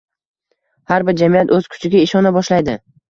Har bir jamiyat o‘z kuchiga ishona boshlaydi